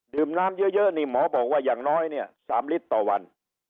น้ำเยอะนี่หมอบอกว่าอย่างน้อยเนี่ย๓ลิตรต่อวัน